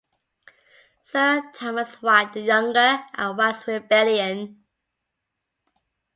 Sir Thomas Wyatt the Younger and Wyatt's Rebellion.